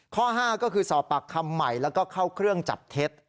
ข้อ๕ก็คือสอบปากคำใหม่แล้วก็เข้าเครื่องจับเท็จ